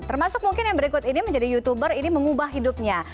termasuk mungkin yang berikut ini menjadi youtuber ini mengubah hidupnya